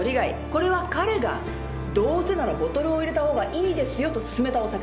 これは彼が「どうせならボトルを入れたほうがいいですよ」と勧めたお酒です。